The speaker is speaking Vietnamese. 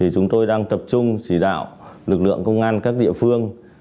chúng tôi đang tập trung chỉ đạo lực lượng công an các địa phương